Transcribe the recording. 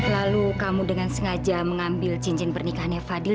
lalu kamu dengan sengaja mengambil cincin pernikahannya fadli